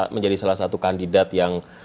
menjadi salah satu kandidat yang